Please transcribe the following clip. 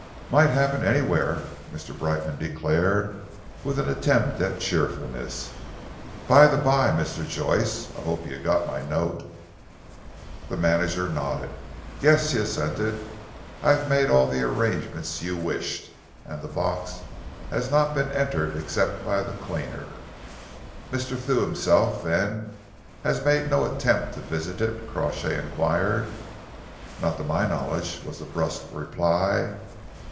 "Might happen anywhere," Mr. Brightman declared, with an attempt at cheerfulness. "By the by, Mr. Joyce, I hope you got my note?" The manager nodded. "Yes," he assented, "I've made all the arrangements you wished, and the box has not been entered except by the cleaner." "Mr. Thew himself, then, has made no attempt to visit it?" Crawshay enquired. "Not to my knowledge," was the brusque reply.